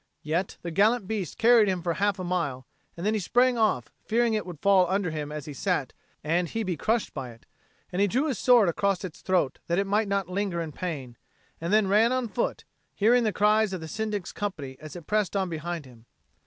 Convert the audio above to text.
Yet the gallant beast carried him for half a mile, and then he sprang off, fearing it would fall under him as he sat and he be crushed by it; and he drew his sword across its throat that it might not linger in pain, and then ran on foot, hearing the cries of the Syndic's company as it pressed on behind him.